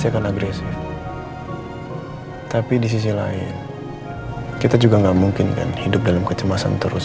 kapanpun aku mau